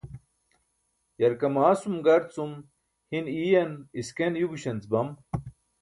yarkamasum gar cum hin iiyan isken yugśanc bam